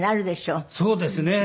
そうですね。